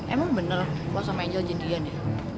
emang bener lo sama angel jadi ian ya